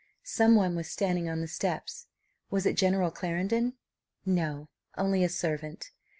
Some one was standing on the steps. Was it General Clarendon? No; only a servant.